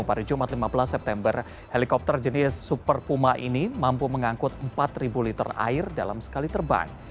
pada jumat lima belas september helikopter jenis super puma ini mampu mengangkut empat liter air dalam sekali terbang